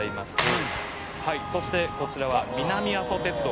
「そしてこちらは南阿蘇鉄道。